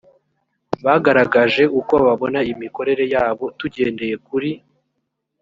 bagaragaje uko babona imikorere yabo tugendeye kuri